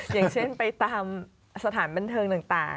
อย่างเช่นไปตามสถานบันเทิงต่าง